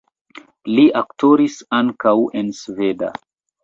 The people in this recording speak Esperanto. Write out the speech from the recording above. Li aktoris ankaŭ en sveda.